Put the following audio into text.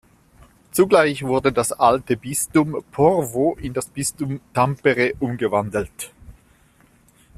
Zugleich wurde das alte Bistum Porvoo in das Bistum Tampere umgewandelt.